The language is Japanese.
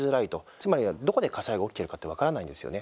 つまり、どこで火災が起きてるかって分からないんですよね。